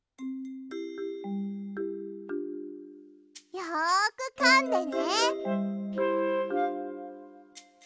よくかんでね。